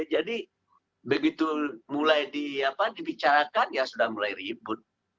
jadi begitu mulai dibicarakan sudah mulai ribut